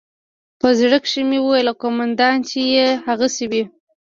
په زړه کښې مې وويل قومندان چې يې هغسې وي.